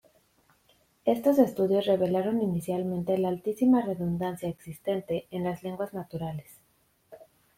Estos estudios revelaron inicialmente la altísima redundancia existente en las lenguas naturales.